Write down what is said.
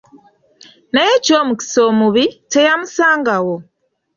Naye eky'omukisa omubi, teyamusangawo.